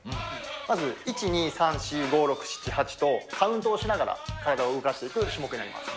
まず１、２、３、４、５、６、７、８と、カウントをしながら体を動かしていく種目です。